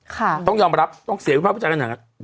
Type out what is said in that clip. ค่ะต้องยอมรับต้องเสียงวิภาควิจัยกันอย่างหนัก